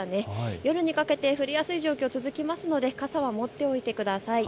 夜にかけて降りやすい状況続きますので傘は持っておいてください。